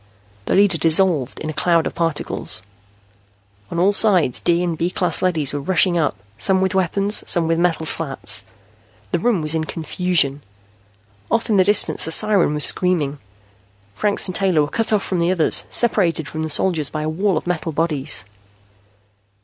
The leader dissolved in a cloud of particles. On all sides D and B class leadys were rushing up, some with weapons, some with metal slats. The room was in confusion. Off in the distance a siren was screaming. Franks and Taylor were cut off from the others, separated from the soldiers by a wall of metal bodies.